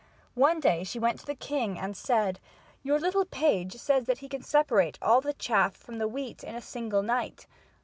One day she went to the king and said: "Your little page says that he can separate all the chaff from the wheat in a single night."